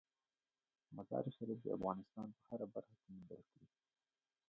مزارشریف د افغانستان په هره برخه کې موندل کېږي.